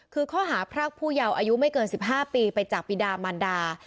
คือข้อหาพรากผู้เยาว์อายุไม่เกิน๑๕ปีไปจากปีดามันดา